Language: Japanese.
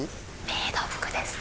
メイド服です。